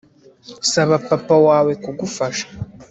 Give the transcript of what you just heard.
Saba papa wawe kugufasha